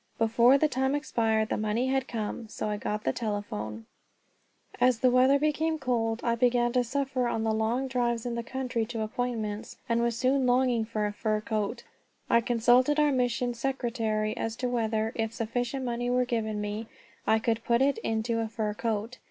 Before the time expired the money had come; so I got the telephone. As the weather became cold I began to suffer on the long drives in the country to appointments, and was soon longing for a fur coat. I consulted our mission secretary as to whether, if sufficient money were given me, I could put it into a fur coat.